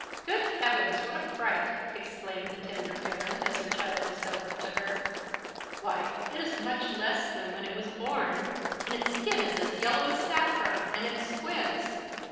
"Good heavens! what a fright!" exclaimed the tender parent, as her child was held up to her. "Why, it is much less than when it was born, an its skin is as yellow as saffron, and it squints!